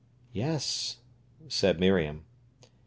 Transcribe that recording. "Yes," said Miriam.